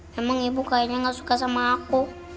memang ibu kayaknya nggak suka sama aku